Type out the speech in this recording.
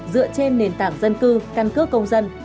dựa trên nền tảng dân cư căn cước công dân